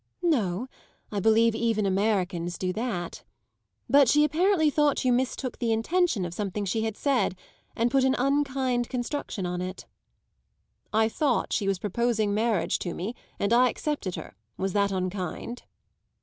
"No; I believe even Americans do that. But she apparently thought you mistook the intention of something she had said, and put an unkind construction on it." "I thought she was proposing marriage to me and I accepted her. Was that unkind?"